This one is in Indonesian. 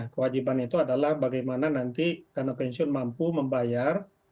kewajiban itu adalah bagaimana nanti dana pensiun mampu membayar